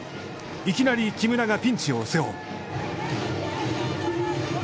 いきなり木村がピンチを背負う。